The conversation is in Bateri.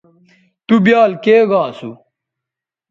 تُو بیال کے گا اسُو